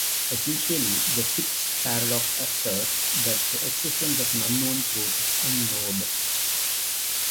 Essentially, Fitch's paradox asserts that the existence of an unknown truth is unknowable.